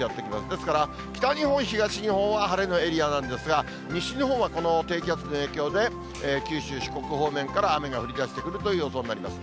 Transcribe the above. ですから北日本、東日本は晴れのエリアなんですが、西日本は、この低気圧の影響で九州、四国方面から雨が降りだしてくるという予想になります。